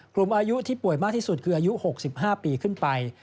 กลุ่มอายุที่ป่วยมากที่สุดคืออายุ๖๕ปีขึ้นไป